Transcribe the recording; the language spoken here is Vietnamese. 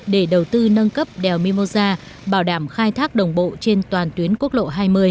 để đầu tư nâng cấp đèo mimosa bảo đảm khai thác đồng bộ trên toàn tuyến quốc lộ hai mươi